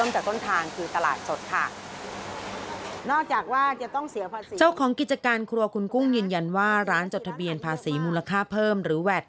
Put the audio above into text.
เจ้าของกิจการครัวคุณกุ้งยืนยันว่าร้านจดทะเบียนภาษีมูลค่าเพิ่มหรือแวด